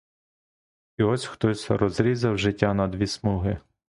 І ось хтось розрізав життя на дві смуги.